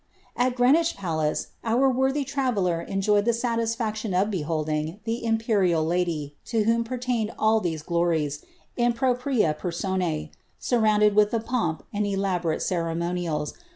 At Greenwich palace our worthy traveller enjoyed the satisfaction of beholding the imperial lady, to wiioni pertained all these glories, in pro pria iKTsoniT, surrounded with the pump and elaborate cereraonialJ.